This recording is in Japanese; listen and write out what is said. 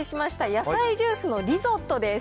野菜ジュースのリゾットです。